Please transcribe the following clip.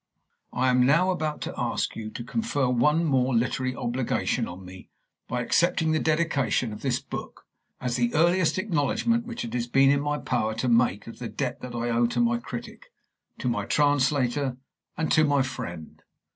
I am now about to ask you to confer one more literary obligation on me by accepting the dedication of this book, as the earliest acknowledgment which it has been in my power to make of the debt I owe to my critic, to my translator, and to my friend.